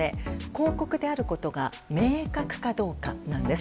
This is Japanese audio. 広告であることが明確かどうかです。